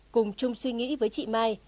cùng chung suy nghĩ với chị mai